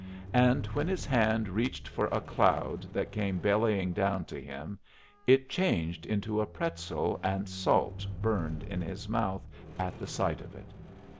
And when his hand reached for a cloud that came bellying down to him, it changed into a pretzel, and salt burned in his mouth at the sight of it.